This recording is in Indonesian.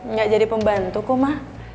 nggak jadi pembantuku ma